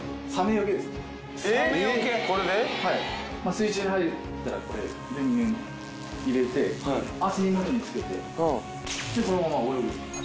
水中に入ったらこれ電源入れて足元に着けてでこのまま泳ぐって感じ。